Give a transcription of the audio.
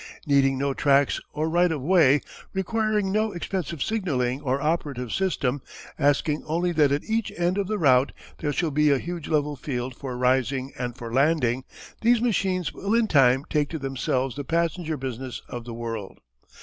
Needing no tracks or right of way, requiring no expensive signalling or operative system, asking only that at each end of the route there shall be a huge level field for rising and for landing, these machines will in time take to themselves the passenger business of the world.